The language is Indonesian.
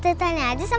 guriuin kita belom